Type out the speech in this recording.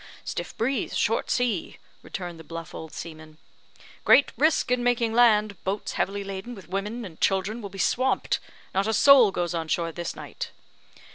"Stiff breeze short sea," returned the bluff old seaman; "great risk in making land boats heavily laden with women and children will be swamped. Not a soul goes on shore this night."